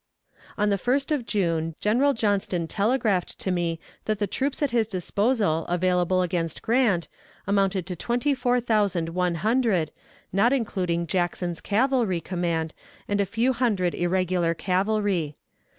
On the 1st of June General Johnston telegraphed to me that the troops at his disposal available against Grant amounted to twenty four thousand one hundred, not including Jackson's cavalry command and a few hundred irregular cavalry.